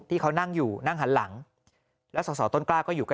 ที่เขานั่งอยู่นั่งหันหลังแล้วสอสอต้นกล้าก็อยู่ใกล้